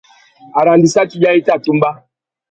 Arandissaki yâā i tà tumba.